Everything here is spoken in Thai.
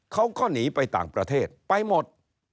เขาก็หนีไปต่างประเทศไปหมด